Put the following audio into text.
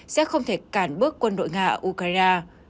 sẽ không thể cản bước quân đội nga ukraine